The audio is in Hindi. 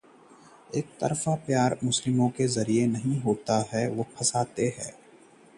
एकतरफा प्यार में पागल होकर विवाहिता को बीच बाजार में मार डाला